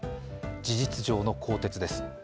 事実上の更迭です。